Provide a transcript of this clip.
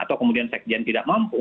atau kemudian sekolah jenderal tidak mampu